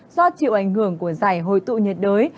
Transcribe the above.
do chịu ảnh hưởng của giải hồi tụ nhiệt đới